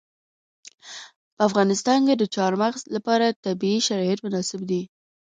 په افغانستان کې د چار مغز لپاره طبیعي شرایط مناسب دي.